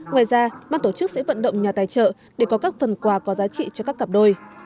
ngoài ra ban tổ chức sẽ vận động nhà tài trợ để có các phần quà có giá trị cho các cặp đôi